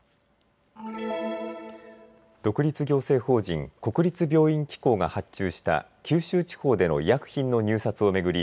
独立行政法人国立病院機構が発注した九州地方での医薬品の入札を巡り